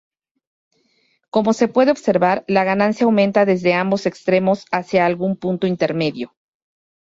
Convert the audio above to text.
Como se puede observar, la ganancia aumenta desde ambos extremos hacia algún punto intermedio.